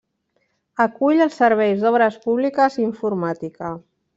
Acull els serveis d'Obres Públiques i Informàtica.